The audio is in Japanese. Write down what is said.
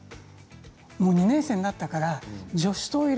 もう２年生になったから女子トイレ